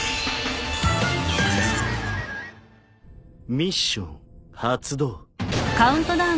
ミッション発動。